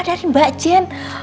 dari mbak jen